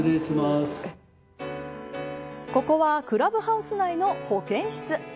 ここはクラブハウス内の保健室。